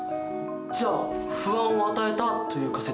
じゃあ「不安を与えた」という仮説は？